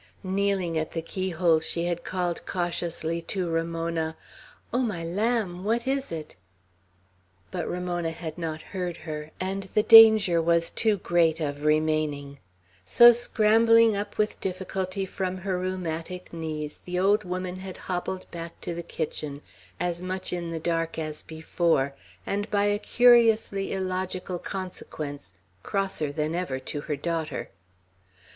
Kneeling at the keyhole, she had called cautiously to Ramona, "Oh, my lamb, what is it?" But Ramona had not heard her, and the danger was too great of remaining; so scrambling up with difficulty from her rheumatic knees, the old woman had hobbled back to the kitchen as much in the dark as before, and, by a curiously illogical consequence, crosser than ever to her daughter.